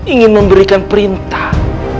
ingin memberikan perintah